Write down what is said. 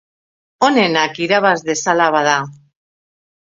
Onenak irabaz dezala, bada!